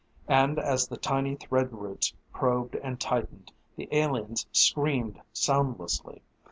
And as the tiny thread roots probed and tightened, the aliens screamed soundlessly.